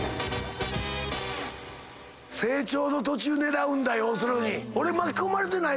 成長の途中狙うんだ要するに。